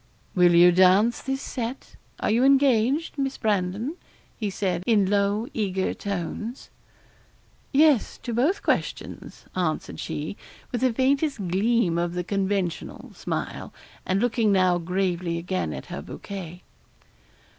'Will you dance this set are you engaged, Miss Brandon?' he said, in low eager tones. 'Yes, to both questions,' answered she, with the faintest gleam of the conventional smile, and looking now gravely again at her bouquet.